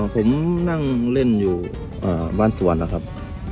อ๋อผมนั่งเล่นอยู่เอ่อบ้านสวรรค์นะครับ